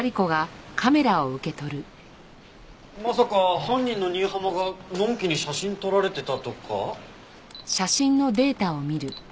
まさか犯人の新浜がのんきに写真撮られてたとか？